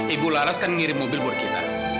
ibu laras kan ngirim mobil buat kita